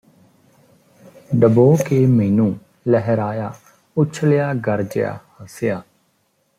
ਡਬੋ ਕੇ ਮੈਨੂੰ ਲਹਿਰਾਇਆ ਉਛਲਿਆ ਗਰਜਿਆ ਹੱਸਿਆ